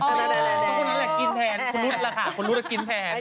ตอนนั้นเลยกินแทนคุณรุตล่ะค่ะคนรุตล่ะกินแทน